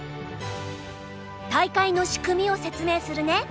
大会の仕組みを説明するね。